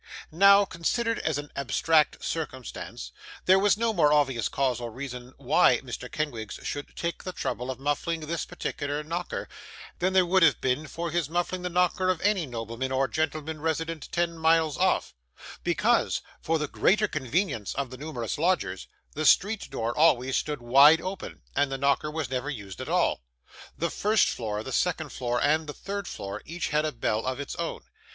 Now, considered as an abstract circumstance, there was no more obvious cause or reason why Mr. Kenwigs should take the trouble of muffling this particular knocker, than there would have been for his muffling the knocker of any nobleman or gentleman resident ten miles off; because, for the greater convenience of the numerous lodgers, the street door always stood wide open, and the knocker was never used at all. The first floor, the second floor, and the third floor, had each a bell of its own.